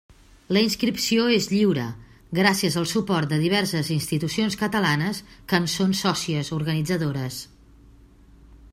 La inscripció es lliure, gràcies al suport de diverses institucions catalanes que en són sòcies organitzadores.